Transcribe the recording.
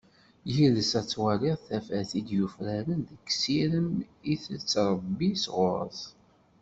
Yid-s ad twaliḍ tafat i d-yufraren, seg sirem i tettrebbi s ɣur-s.